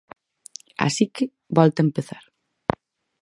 Así que, volta a empezar.